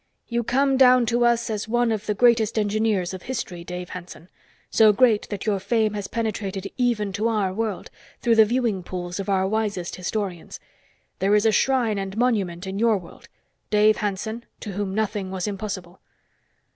You come down to us as one of the greatest engineers of history, Dave Hanson, so great that your fame has penetrated even to our world, through the viewing pools of our wisest historians. There is a shrine and monument in your world. 'Dave Hanson, to whom nothing was impossible.'